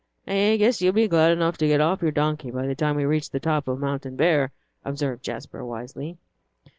"I guess you'll be glad enough to get off from your donkey by the time you reach the top of Montanvert," observed Jasper, wisely.